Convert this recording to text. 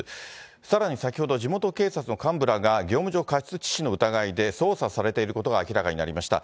さらに先ほど、地元警察の幹部らが業務上過失致死の疑いで捜査されていることが明らかになりました。